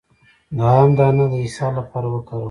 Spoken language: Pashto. د ام دانه د اسهال لپاره وکاروئ